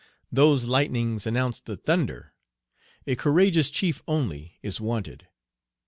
Those lightnings announce the thunder. A courageous chief only is wanted.